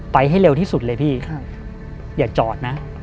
ให้เร็วที่สุดเลยพี่อย่าจอดนะ